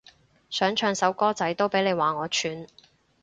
想唱首歌仔都俾你話我串